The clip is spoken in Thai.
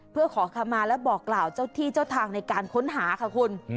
เพื่อขอคำมาและบอกกล่าวเจ้าที่เจ้าทางในการค้นหาค่ะคุณ